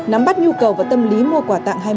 nắm bắt nhu cầu và tâm lý mua quà tặng